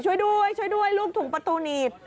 ช่วยด้วยลูกถูกประตูหนีบ